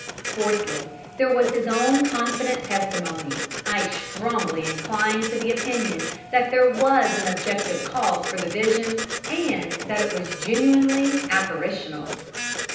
Fourthly, there was his own confident testimony. I strongly incline to the opinion that there was an objective cause for the vision, and that it was genuinely apparitional."